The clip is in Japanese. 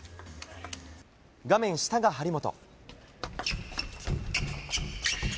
画面下が張本。